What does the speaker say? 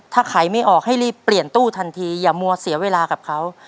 ถ้าขายไม่ออกให้รีบเปลี่ยนตู้ทันทีอย่ามัวเสียเวลากับเขา